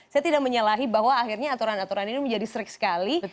saya tidak menyalahi bahwa akhirnya aturan aturan ini menjadi serik sekali